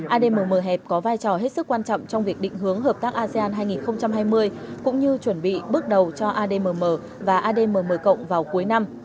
admm hẹp có vai trò hết sức quan trọng trong việc định hướng hợp tác asean hai nghìn hai mươi cũng như chuẩn bị bước đầu cho admm và admm vào cuối năm